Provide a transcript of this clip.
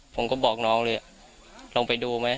ผมก็บอกน้องเลยลองไปดูไหม